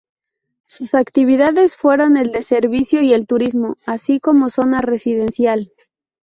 Sus actividades fueron el de servicio y el turismo, así como zona residencial.